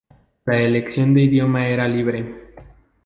La elección de idioma era libre.